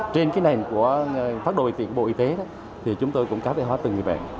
trên cái nền của phát đổi tiền của bộ y tế thì chúng tôi cũng cá tự hóa từng người bạn